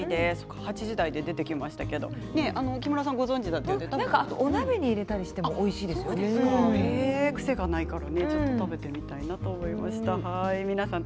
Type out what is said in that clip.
８時台に出てきましたけれどもお鍋に入れたりしても癖がないから食べてみたいなと思いました。